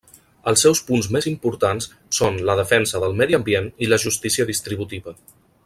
Els seus punts més importants són la defensa del medi ambient i la justícia distributiva.